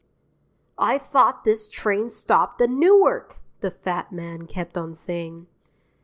"I thought this train stopped at Newark," the fat man kept on saying.